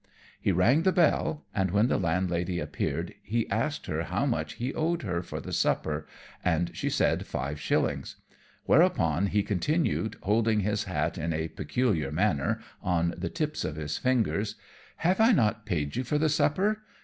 He rang the bell, and when the landlady appeared, he asked her how much he owed her for the supper, and she said five shillings. Whereupon he continued, holding his old hat in a peculiar manner, on the tips of his fingers, "Have I not paid you for the supper?"